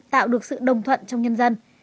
tạo được sự đồng thuận trong nhân dân